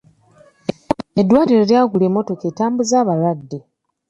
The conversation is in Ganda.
Eddwaliro lyagula emmotoka etambuza abalwadde.